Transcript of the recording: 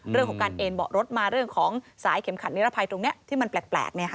เรื่องของการเอ็นเบาะรถมาเรื่องของสายเข็มขัดนิรภัยตรงนี้ที่มันแปลก